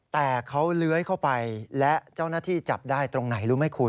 แต่เขาเลื้อยเข้าไปและเจ้าหน้าที่จับได้ตรงไหนรู้ไหมคุณ